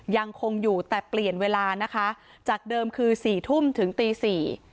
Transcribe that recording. ยังคงอยู่แต่เปลี่ยนเวลานะคะจากเดิมคือสี่ทุ่มถึงตีสี่